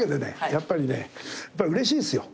やっぱりねうれしいっすよ。